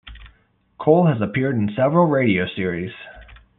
Cole has appeared in several radio series.